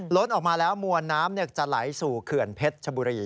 ออกมาแล้วมวลน้ำจะไหลสู่เขื่อนเพชรชบุรี